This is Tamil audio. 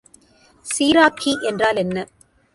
சீராக்கி என்றால் என்ன?